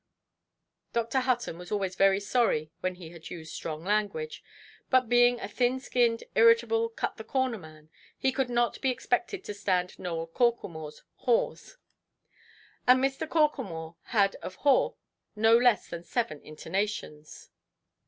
Dr. Hutton was always very sorry when he had used strong language; but being a thin–skinned, irritable, cut–the–corner man, he could not be expected to stand Nowell Corklemoreʼs "haws". And Mr. Corklemore had of "haw" no less than seven intonations.